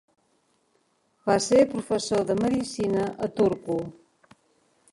Va ser professor de medicina a Turku.